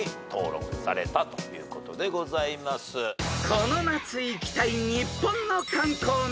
［この夏行きたい日本の観光名所］